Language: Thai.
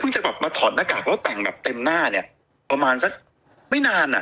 จะแบบมาถอดหน้ากากแล้วแต่งแบบเต็มหน้าเนี่ยประมาณสักไม่นานอ่ะ